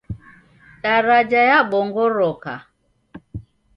Daraja yabongoroka.